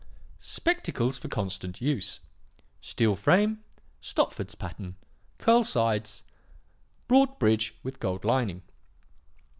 "'Spectacles for constant use. Steel frame, Stopford's pattern, curl sides, broad bridge with gold lining.